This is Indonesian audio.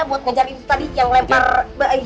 buat ngejar itu tadi yang lempar bayi